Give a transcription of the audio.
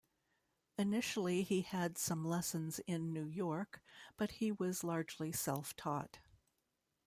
Initially he had some lessons in New York, but he was largely self-taught.